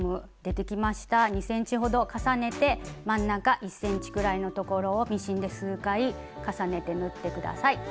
２ｃｍほど重ねて真ん中１ｃｍくらいの所をミシンで数回重ねて縫って下さい。